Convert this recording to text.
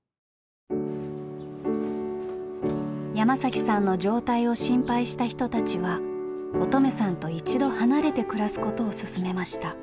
山さんの状態を心配した人たちは音十愛さんと一度離れて暮らすことを勧めました。